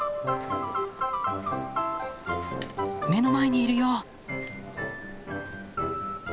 目の前にいるよ。